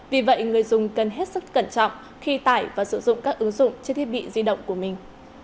vì vậy người dùng cần hết sức cẩn trọng khi tải và sử dụng các ứng dụng trên thiết bị di động của mình